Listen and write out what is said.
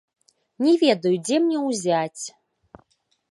Не ведаю, дзе мне ўзяць.